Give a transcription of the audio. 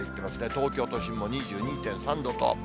東京都心も２２．３度と。